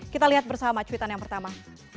kita lihat bersama cuitan yang pertama